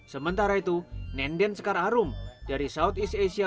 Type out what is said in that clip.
sementara itu nenden sekararum dari southeast asia